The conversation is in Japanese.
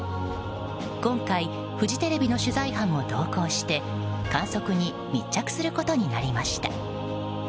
今回、フジテレビの取材班も同行して観測に密着することになりました。